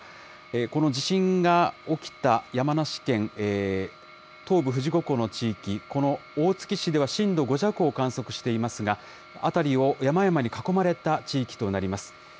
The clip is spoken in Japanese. この地震が起きた山梨県東部富士五湖の地域、この大月市では震度５弱を観測していますが、辺りを山々に囲まれた地域となります。